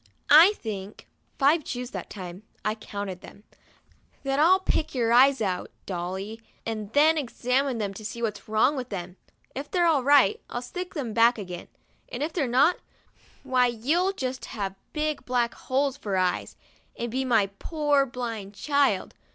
'I think' (five chews that time, I counted them) "that I'll pick your eyes out, Dolly, and then examine them to see what's wrong with them. If they're all right, 111 stick them back again, and if they're not, why you'll just have big black holes for eyes, and be my poor blind child.